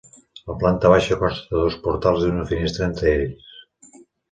La planta baixa consta de dos portals i d'una finestra entre ells.